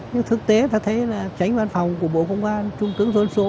nhưng thực tế ta thấy là tránh văn phòng của bộ công an trung tướng dân số